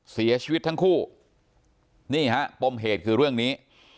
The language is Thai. เสียชีวิตทั้งคู่นี่ฮะปมเหตุคือเรื่องนี้